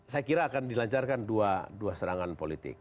saya kira akan dilancarkan dua serangan politik